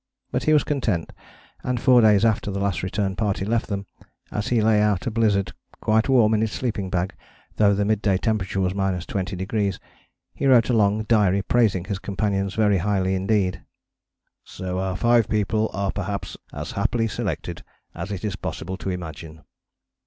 But he was content; and four days after the Last Return Party left them, as he lay out a blizzard, quite warm in his sleeping bag though the mid day temperature was 20°, he wrote a long diary praising his companions very highly indeed "so our five people are perhaps as happily selected as it is possible to imagine."